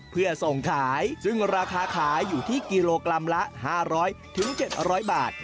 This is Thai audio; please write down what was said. เพื่อส่งขายซึ่งราคาขายอยู่ที่กิโลกรัมละ๕๐๐๗๐๐บาท